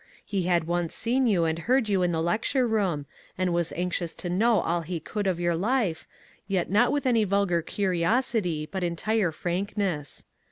He had once seen you and heard you in the lecture room, and was anxious to know all he could of your life, yet not with any vulgar curiosity but entire frankness.